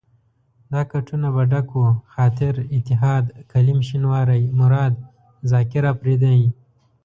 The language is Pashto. دا کټونه به ډک وو، خاطر، اتحاد، کلیم شینواری، مراد، زاکر اپرېدی.